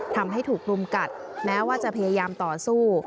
ทำให้ถูกรุมกัดแม้ว่าจะพยายามต่อสู้